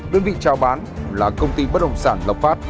đơn vị trao bán là công ty bất đồng sản lộc pháp